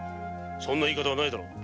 そんないい方はないだろう！